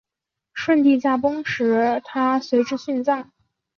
顺治帝驾崩时她随之殉葬。